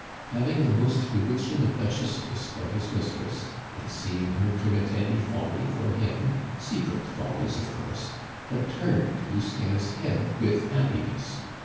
Having the most bewitching of duchesses for his mistress, and seeing her commit any folly for him secret follies, of course had turned Lucien's head with happiness.